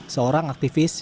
seorang aktivis yang cipta